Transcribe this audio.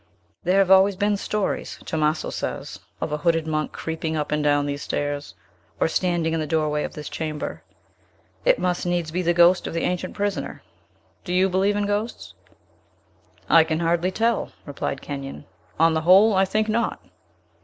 There have always been stories, Tomaso says, of a hooded monk creeping up and down these stairs, or standing in the doorway of this chamber. It must needs be the ghost of the ancient prisoner. Do you believe in ghosts?" "I can hardly tell," replied Kenyon; "on the whole, I think not."